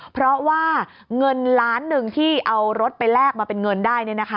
เพราะว่าเงินล้านหนึ่งที่เอารถไปแลกมาเป็นเงินได้